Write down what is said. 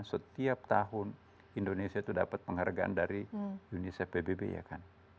setahun indonesia itu dapat penghargaan dari unicef pbb ya kan